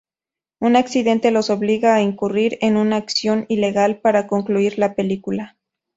Un accidente los obliga a incurrir en una acción ilegal para concluir la película.